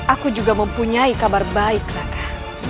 aku juga mempunyai kabar baik raka